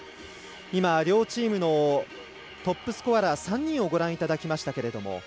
両チームのトップスコアラー３人をご覧いただきました。